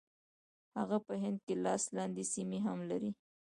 هغه په هند کې لاس لاندې سیمې هم لري.